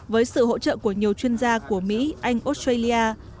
với sự hỗ trợ của nhiều chuyên gia của mỹ anh australia